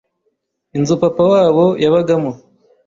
inzu papa wabo yabagamo